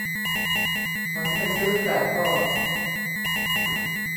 ฉันไปซื้อไก่ทอด